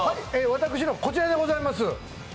私のはこちらでございます。